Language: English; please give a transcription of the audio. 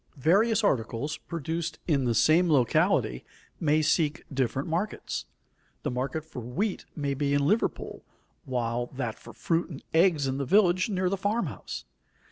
Various articles produced in the same locality may seek different markets. The market for wheat may be in Liverpool, while that for fruit and eggs is in the village near the farm house.